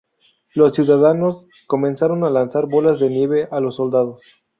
Los ciudadanos comenzaron a lanzar bolas de nieve a los soldados.